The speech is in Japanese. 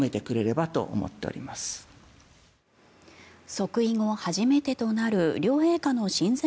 即位後初めてとなる両陛下の親善